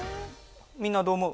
みんなはどう思う？